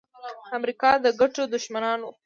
د امریکا د ګټو دښمنان وو.